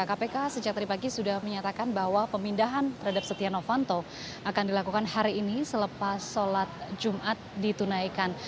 kpk sejak tadi pagi sudah menyatakan bahwa pemindahan terhadap setia novanto akan dilakukan hari ini selepas sholat jumat ditunaikan